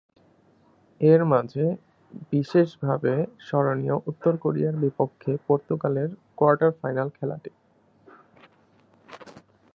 এর মাঝে বিশেষভাবে স্মরণীয় উত্তর কোরিয়ার বিপক্ষে পর্তুগালের কোয়ার্টার ফাইনাল খেলাটি।